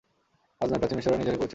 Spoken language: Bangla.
আজ নয়, প্রাচীন মিসরীরা নিজেরাই করেছে।